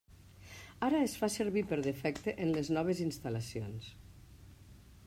Ara es fa servir per defecte en les noves instal·lacions.